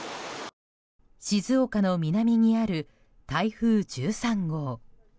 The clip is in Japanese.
静岡の南にある台風１３号。